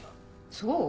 そう？